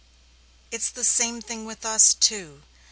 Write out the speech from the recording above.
"It is the same thing with us too.